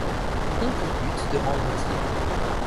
Ont pour but de rendre utile